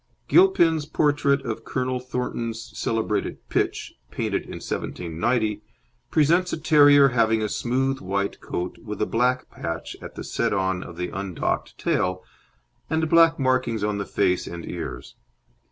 Gilpin's portrait of Colonel Thornton's celebrated Pitch, painted in 1790, presents a terrier having a smooth white coat with a black patch at the set on of the undocked tail, and black markings on the face and ears.